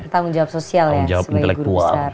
tanggung jawab sosial ya sebagai guru besar